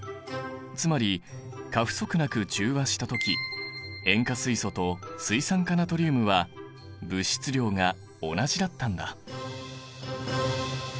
つまり過不足なく中和した時塩化水素と水酸化ナトリウムは物質量が同じだったんだ。